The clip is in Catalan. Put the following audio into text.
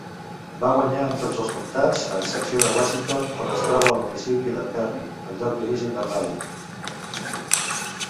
Va guanyar en tots els comtats a excepció de Washington, on es troba el municipi de Perry, el lloc d'origen de Raye.